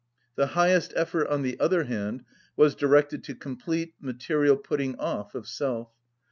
The highest effort, on the other hand, was directed to complete, material putting off of self.